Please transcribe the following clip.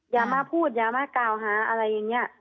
อย่ามาพูดอย่ามากล่าวหาอะไรอย่างนี้